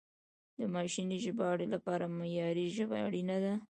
د ماشیني ژباړې لپاره معیاري ژبه اړینه ده.